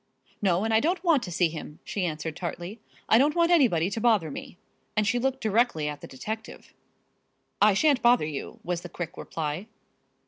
"No, and I don't want to see him," she answered tartly. "I don't want anybody to bother me," and she looked directly at the detective. "I shan't bother you," was the quick reply.